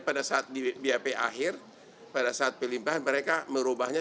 tapi kemudian kok bisa bap di bap berikutnya